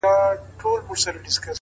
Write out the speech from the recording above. • سیوري ته د پلونو مي کاروان راسره وژړل,